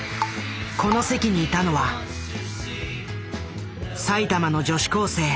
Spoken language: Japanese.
この席にいたのは埼玉の女子高生。